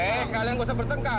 eh kalian nggak usah bertengkar